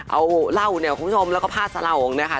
เอาเหล้าเนี่ยคุณให้คุณสมแล้วก็ผ้าสะหรางเนี่ยคะ